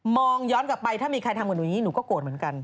ย้อนกลับไปถ้ามีใครทำกับหนูอย่างนี้หนูก็โกรธเหมือนกัน